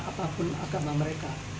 apapun agama mereka